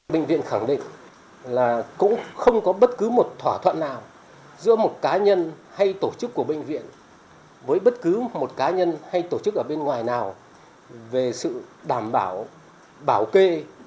bệnh viện khẳng định là cũng không có bất cứ một thỏa thuận nào giữa một cá nhân hay tổ chức của bệnh viện với bất cứ một cá nhân hay tổ chức ở bên ngoài nào về sự đảm bảo bảo kê